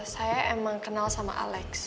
saya memang kenal sama alec